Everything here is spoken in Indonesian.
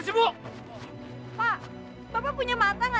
tunggu di air aku cepetan